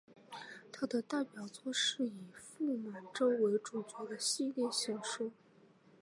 他的代表作是以傅满洲为主角的系列小说。